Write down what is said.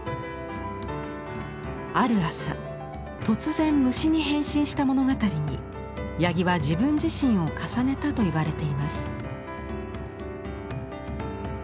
ある朝突然虫に変身した物語に八木は自分自身を重ねたといわれています。